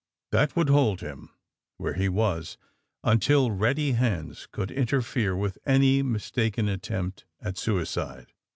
That would hold him where he was until ready hands could interfere with any mistaken attempt at suicide.